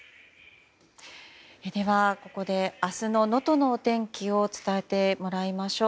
ではここで明日の能登のお天気を伝えてもらいましょう。